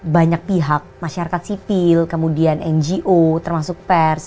banyak pihak masyarakat sipil kemudian ngo termasuk pers